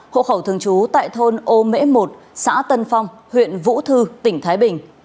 hộ khẩu thường trú tại thôn ô mễ một xã tân phong huyện vũ thư tỉnh thái bình